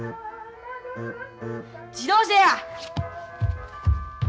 ・自動車や！